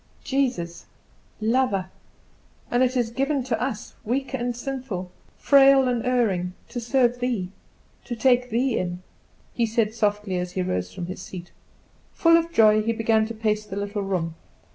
"Jesus, lover, and is it given to us, weak and sinful, frail and erring, to serve Thee, to take Thee in!" he said softly, as he rose from his seat. Full of joy, he began to pace the little room.